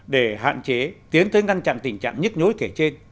để hạn chế tiến tới ngăn chặn tình trạng nhức nhối kể trên